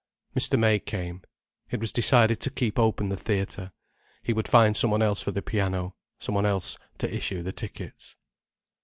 Mr. May came. It was decided to keep open the theatre. He would find some one else for the piano, some one else to issue the tickets.